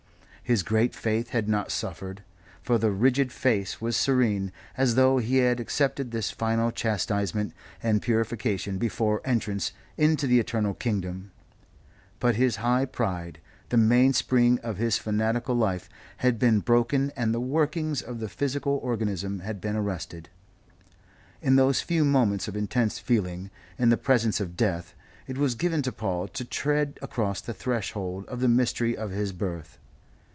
His great faith had not suffered; for the rigid face was serene, as though he had accepted this final chastisement and purification before entrance into the Eternal Kingdom; but his high pride, the mainspring of his fanatical life, had been broken and the workings of the physical organism had been arrested. In those few moments of intense feeling, in the presence of death, it was given to Paul to tread across the threshold of the mystery of his birth.